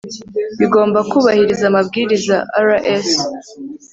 bigomba kubahiriza amabwiriza RS